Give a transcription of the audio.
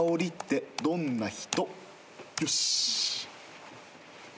よし！